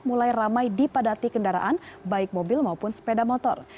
mulai ramai dipadati kendaraan baik mobil maupun sepeda motor